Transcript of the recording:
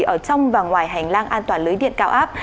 ở trong và ngoài hành lang an toàn lưới điện cao áp